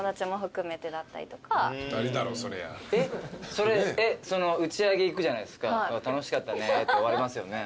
その打ち上げ行くじゃないですか楽しかったねって終わりますよね。